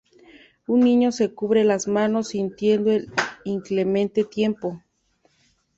Un niño se cubre las manos sintiendo el inclemente tiempo.